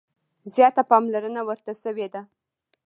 زیاته پاملرنه ورته شوې ده.